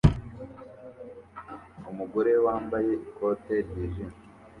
Umugore wambaye ikote ryijimye